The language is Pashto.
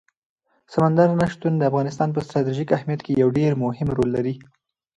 سمندر نه شتون د افغانستان په ستراتیژیک اهمیت کې یو ډېر مهم رول لري.